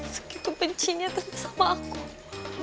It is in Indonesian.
sekitu bencinya tante sama aku